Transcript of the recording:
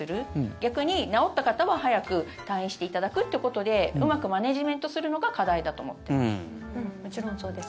逆に治った方は早く退院していただくってことでうまくマネジメントするのが課題だと思っています。